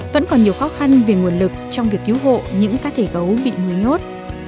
vẫn còn nhiều khó khăn về nguồn lực trong việc cứu hộ những cá thể gấu bị nuôi nhốt